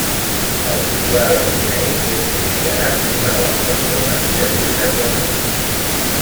El soldà de Brunei és considerat una de les persones més riques del món.